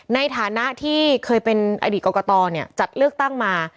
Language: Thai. ในฐานะที่เคยเป็นอดีตกรกตจัดเลือกตั้งมา